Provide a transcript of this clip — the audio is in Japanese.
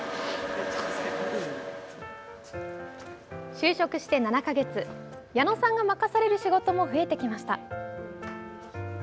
就職して７か月矢野さんが任される仕事も増えてきました。